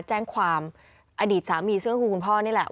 แจ้งความอดีตสามีเสื้อก็คือคุณพ่อนี่แหละ